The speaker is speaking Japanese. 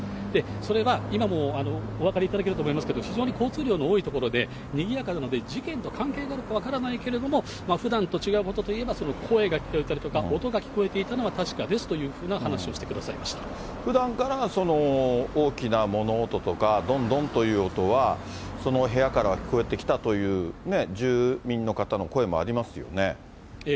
それは今もお分かりいただけると思いますけれども、非常に交通量の多い所で、にぎやかなので事件と関係があるかは分からないけれども、ふだんと違うことといえば、その声が聞こえたりとか、音が聞こえていたのは確かですというふうな話をしてくださいましふだんから大きな物音とか、どんどんという音は、その部屋から聞こえてきたという住民の方の声もありますよね。